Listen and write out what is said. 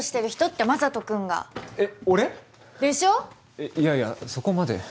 えっいやいやそこまで。